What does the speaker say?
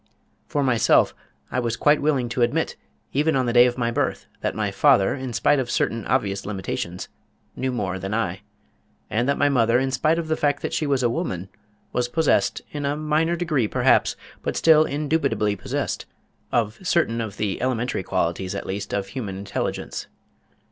For myself, I was quite willing to admit, even on the day of my birth, that my father, in spite of certain obvious limitations, knew more than I; and that my mother in spite of the fact that she was a woman, was possessed, in a minor degree perhaps, but still indubitably possessed, of certain of the elementary qualities at least of human intelligence.